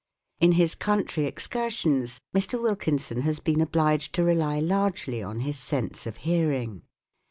In his country excursions Mr. Wilkinson has been obliged to rely largely on his sense of hearing.